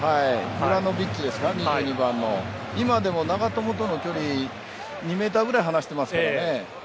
ユラノヴィッチですか今でも長友との距離２ｍくらい離してますよね。